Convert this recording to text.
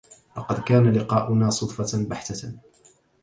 لقد كان لقاؤنا صدفةً بحتة.